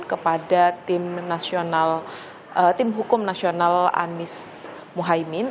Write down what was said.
kepada tim hukum nasional anies mohaimin